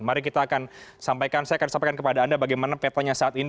mari kita akan sampaikan saya akan sampaikan kepada anda bagaimana petanya saat ini